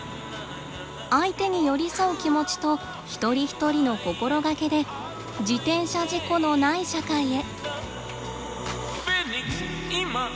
相手に寄り添う気持ちと一人一人の心がけで自転車事故のない社会へ。